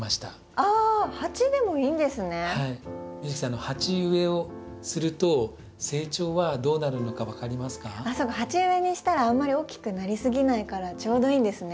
あっそうか鉢植えにしたらあんまり大きくなりすぎないからちょうどいいんですね。